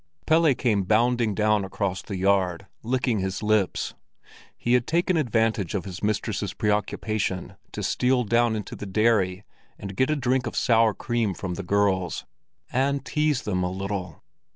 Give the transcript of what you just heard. Pelle came bounding down across the yard, licking his lips. He had taken advantage of his mistress's preoccupation to steal down into the dairy and get a drink of sour cream from the girls, and tease them a little.